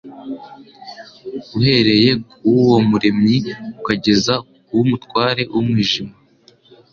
uhereye ku w'uwo Muremyi ukageza ku w'umutware w'umwijima.